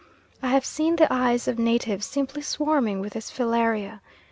I have seen the eyes of natives simply swarming with these Filariae.